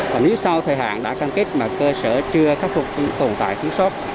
và nếu sau thời hạn đã cam kết mà cơ sở chưa khắc phục tồn tại thiếu sót